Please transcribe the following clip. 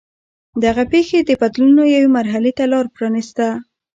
دغه پېښې د بدلونونو یوې مرحلې ته لار پرانېسته.